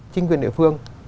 chính quyền địa phương